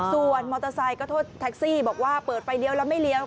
ส่วนมอเตอร์ไซค์ก็โทษแท็กซี่บอกว่าเปิดไฟเลี้ยวแล้วไม่เลี้ยว